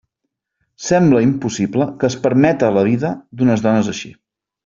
Sembla impossible que es permeta la vida d'unes dones així.